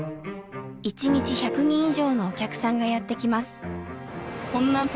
１日１００人以上のお客さんがやって来ます。